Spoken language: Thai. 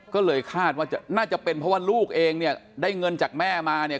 ก็เลยคาดว่าน่าจะเป็นเพราะว่าลูกเองเนี่ยได้เงินจากแม่มาเนี่ย